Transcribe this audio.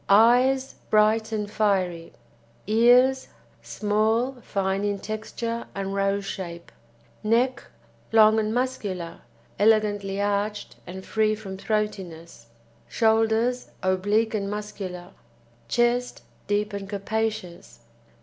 EYES Bright and fiery. EARS Small, fine in texture and rose shape. NECK Long and muscular, elegantly arched and free from throatiness. SHOULDERS Oblique and muscular. CHEST Deep and capacious.